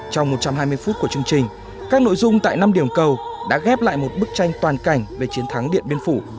trong một trăm hai mươi phút của chương trình các nội dung tại năm điểm cầu đã ghép lại một bức tranh toàn cảnh về chiến thắng điện biên phủ